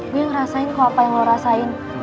gue ngerasain kok apa yang lo rasain